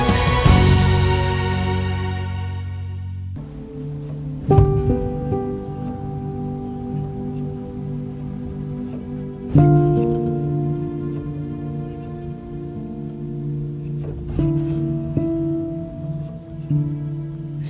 asli kakak space matanya lain wee